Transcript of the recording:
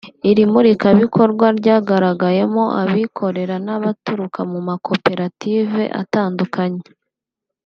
Iri murikabikorwa ryagaragayemo abikorera n’abaturuka mu makoperative atandukanye